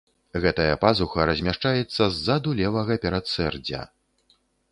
Гэтая пазуха размяшчаецца ззаду левага перадсэрдзя.